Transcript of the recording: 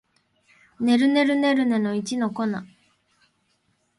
ねるねるねるねの一の粉